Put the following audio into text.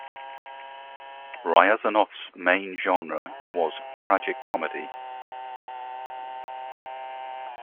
Ryazanov's main genre was tragicomedy.